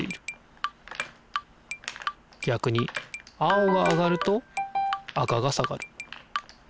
逆に青が上がると赤が下がる。